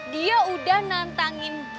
dia udah nantangin boy untuk bertarung